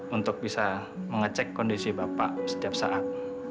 untuk bisa mengecek kondisi bapak setiap saat